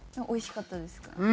美味しかったですか？